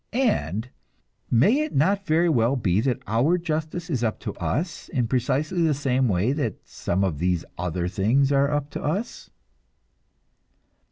And, may it not very well be that our justice is up to us, in precisely the same way that some of these other things are up to us?